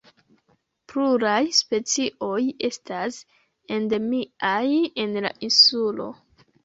Pluraj specioj estas endemiaj en la insulo.